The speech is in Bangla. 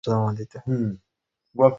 তোমার আম্মুকে বাঁচাতে হবে!